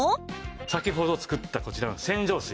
先ほど作ったこちらの洗浄水。